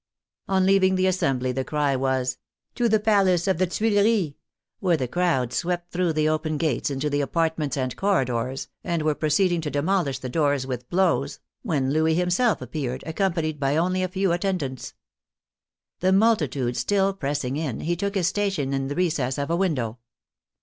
On leaving the Assembly the cry was, "To the Palace of the Tuileries," where the crowd swept through the open gates into the apartments and corridors, and were proceeding to demolish the doors with blows, when Louis himself appeared, accompanied by only a few attendants. The multitude still pressing in, he took his station in the recess of a window.